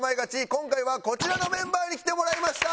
今回はこちらのメンバーに来てもらいました！